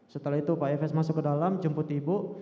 setelah itu pak efes masuk ke dalam jemput ibu